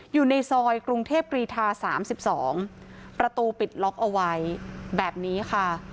อยู่ในซอยกรุงเทพกรีธา๓๒ประตูปิดล็อกเอาไว้แบบนี้ค่ะ